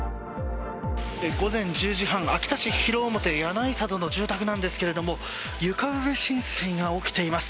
午前１０時半秋田市広面谷内佐渡の住宅なんですが床上浸水が起きています。